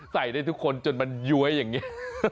ใส่ได้ทุกคนจนมันย้วยอย่างนี้